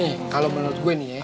nih kalau menurut gue nih ya